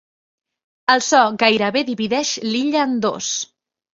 El so gairebé divideix l'illa en dos.